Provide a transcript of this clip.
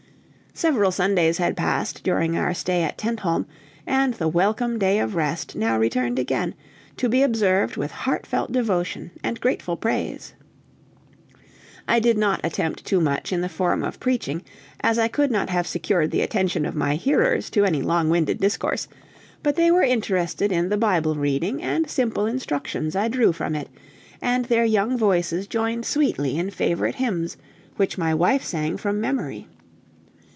Several Sundays had passed during our stay at Tentholm, and the welcome Day of Rest now returned again, to be observed with heartfelt devotion and grateful praise. I did not attempt too much in the form of preaching, as I could not have secured the attention of my hearers to any long winded discourse, but they were interested in the Bible reading and simple instructions I drew from it, and their young voices joined sweetly in favorite hymns, which my wife sang from memory.